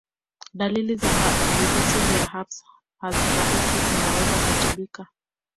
Dalili za virusi vya herpes rahisi zinaweza kutibika